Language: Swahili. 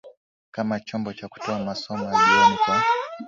kama chombo cha kutoa masomo ya jioni kwa